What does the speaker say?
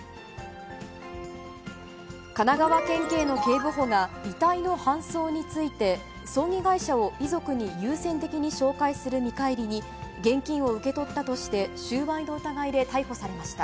神奈川県警の警部補が、遺体の搬送について、葬儀会社を遺族に優先的に紹介する見返りに、現金を受け取ったとして、収賄の疑いで逮捕されました。